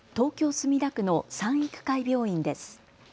墨田区の賛育会病院です。